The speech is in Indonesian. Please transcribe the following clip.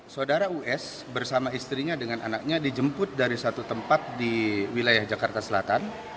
saudara us bersama istrinya dengan anaknya dijemput dari satu tempat di wilayah jakarta selatan